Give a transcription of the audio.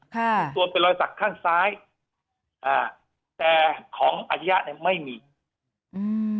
ส่วนตัวเป็นรอยสักข้างซ้ายอ่าแต่ของอัชยะเนี้ยไม่มีอืม